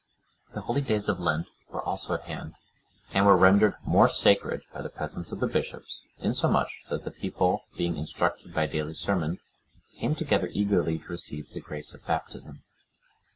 The holy days of Lent were also at hand, and were rendered more sacred by the presence of the bishops, insomuch that the people being instructed by daily sermons, came together eagerly to receive the grace of baptism.